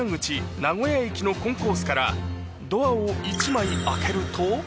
惴名古屋駅のコンコースから疋△鬘泳開けると。